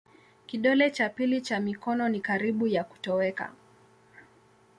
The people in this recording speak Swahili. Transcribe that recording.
Kidole cha pili cha mikono ni karibu ya kutoweka.